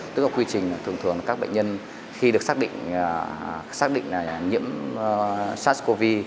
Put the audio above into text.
tức là quy trình thường thường các bệnh nhân khi được xác định nhiễm sars cov